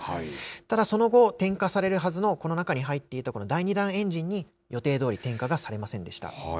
ただその後、点火されるはずのこの中に入っていた第２段エンジンに、予定どおり点火がされませんでした。